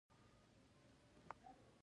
له همدې امله خلکو د سرغړاوي جرات نه کاوه.